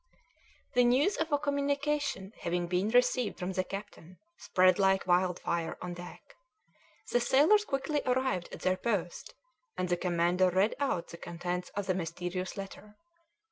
The news of a communication having been received from the captain spread like wildfire on deck; the sailors quickly arrived at their post, and the commander read out the contents of the mysterious letter.